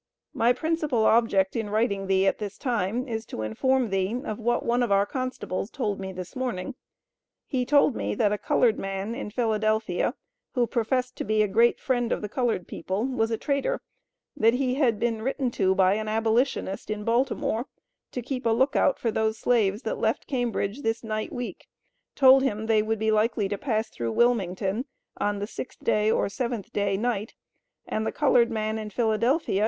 My principal object in writing thee at this time is to inform thee of what one of our constables told me this morning; he told me that a colored man in Phila. who professed to be a great friend of the colored people was a traitor; that he had been written to by an Abolitionist in Baltimore, to keep a look out for those slaves that left Cambridge this night week, told him they would be likely to pass through Wilmington on 6th day or 7th day night, and the colored man in Phila.